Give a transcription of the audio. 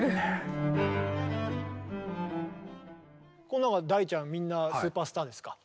この中大ちゃんみんなスーパースターですか？